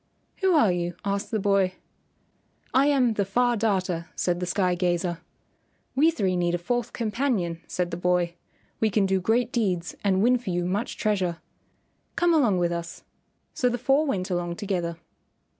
"Who are you?" asked the boy. "I am the Far Darter," said the sky gazer. "We three need a fourth companion," said the boy. "We can do great deeds and win for you much treasure. Come along with us." So the four went along together.